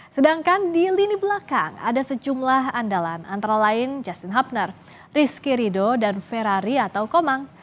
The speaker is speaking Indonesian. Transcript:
sedangkan di lini belakang ada sejumlah andalan antara lain justin hubner rizky rido dan feraria atau komang